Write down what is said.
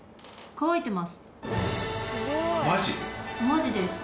乾いてます。